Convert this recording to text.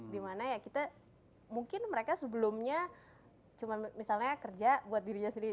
dimana ya kita mungkin mereka sebelumnya cuma misalnya kerja buat dirinya sendiri